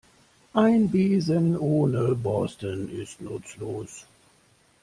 Ein Besen ohne Borsten ist nutzlos.